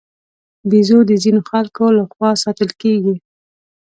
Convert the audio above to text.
بیزو د ځینو خلکو له خوا ساتل کېږي.